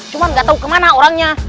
cuma nggak tahu kemana orangnya